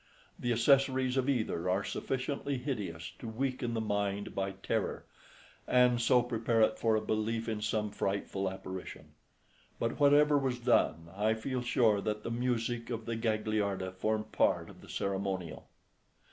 The accessories of either are sufficiently hideous to weaken the mind by terror, and so prepare it for a belief in some frightful apparition. But whatever was done, I feel sure that the music of the Gagliarda formed part of the ceremonial.